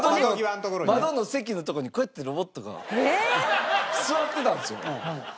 窓の席のとこにこうやってロボットが座ってたんですよ。